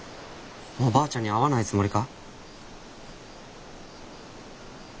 もうばあちゃんに会わないつもりか？